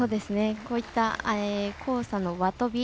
こういった交差の輪とび。